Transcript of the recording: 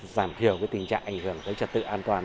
giảm thiểu tình trạng ảnh hưởng tới trật tự an toàn